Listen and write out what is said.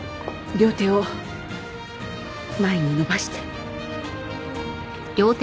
両手を前に伸ばして。